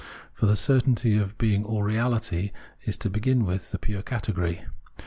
For the certainty of being all reahty is to begin with the pure category.